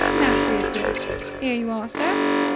Mac reappeared. "Here you are, sir."